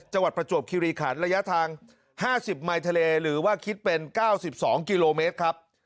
ประจวบคิริขันระยะทาง๕๐ไมค์ทะเลหรือว่าคิดเป็น๙๒กิโลเมตรครับ